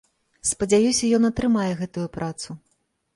Спадзяюся, ён атрымае гэтую працу.